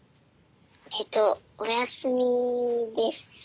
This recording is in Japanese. えとお休みです。